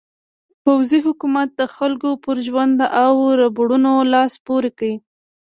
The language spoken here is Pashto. پوځي حکومت د خلکو پر وژنو او ربړونو لاس پورې کړ.